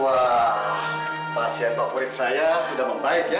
wah pasien favorit saya sudah membaik ya